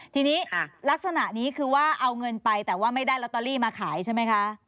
ทีนี้ลักษณะนี้คือว่าเอาเงินไปแต่ว่าไม่ได้ลอตเตอรี่มาขายใช่ไหมคะ